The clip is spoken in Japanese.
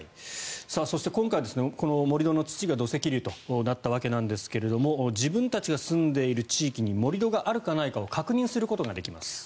そして今回この盛り土の土が土石流となったわけですが自分たちが住んでいる地域に盛り土があるかないかを確認することができます。